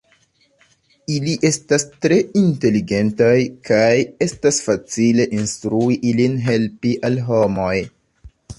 Ili estas tre inteligentaj, kaj estas facile instrui ilin helpi al homoj.